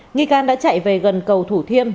nghi can đã chạy về gần cầu thủ thiêm